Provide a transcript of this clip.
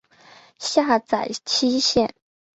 下载期限